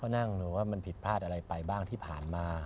นั่งดูว่ามันผิดพลาดอะไรไปบ้างที่ผ่านมา